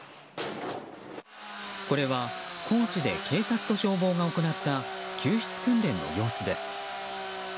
これは高知で警察と消防が行った救出訓練の様子です。